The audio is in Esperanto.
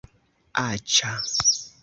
-Aĉa-